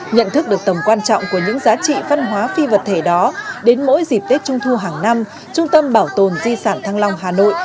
nhận thức được tầm quan trọng của những giá trị văn hóa phi vật thể đó đến mỗi dịp tết trung thu hàng năm trung tâm bảo tồn di sản thăng long hà nội